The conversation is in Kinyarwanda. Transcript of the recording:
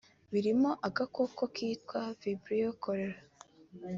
birimo agakoko kitwa Vibrio cholerae